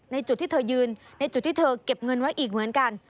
จุดที่เธอยืนในจุดที่เธอเก็บเงินไว้อีกเหมือนกัน